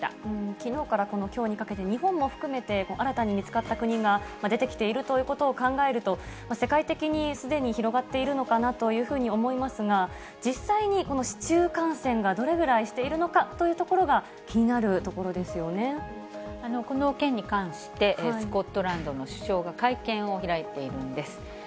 きのうからこのきょうにかけて、日本も含めて新たに見つかった国が出てきているということを考えると、世界的にすでに広がっているのかなというふうに思いますが、実際にこの市中感染がどれぐらいしているのかというところが気にこの件に関して、スコットランドの首相が会見を開いているんです。